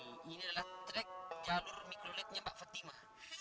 ini adalah track jalur mikrolednya mbak fetima